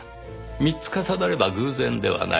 ３つ重なれば偶然ではない。